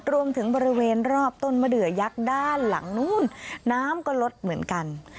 บริเวณรอบต้นมะเดือยักษ์ด้านหลังนู้นน้ำก็ลดเหมือนกัน